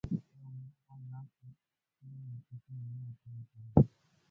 یو مهربان لاس له سلو نصیحتونو نه اغېزمن دی.